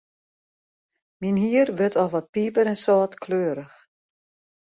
Myn hier wurdt al wat piper-en-sâltkleurich.